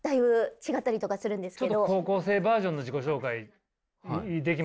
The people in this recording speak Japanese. ちょっと高校生バージョンの自己紹介できます？